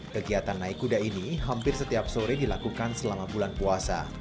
kegiatan naik kuda ini hampir setiap sore dilakukan selama bulan puasa